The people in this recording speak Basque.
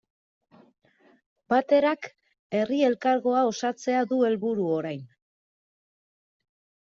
Baterak Herri Elkargoa osatzea du helburu orain.